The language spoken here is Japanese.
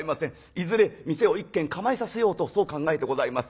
いずれ店を１軒構えさせようとそう考えてございます。